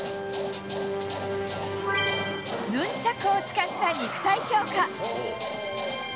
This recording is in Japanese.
ヌンチャクを使った肉体強化。